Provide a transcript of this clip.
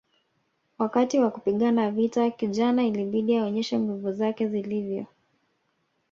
Wakati wa kupigana vita kijana ilibidi aonyeshe nguvu zake zilivyo